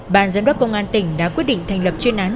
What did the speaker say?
bàn giám đốc công an tỉnh đã quyết định thành lập chuyên án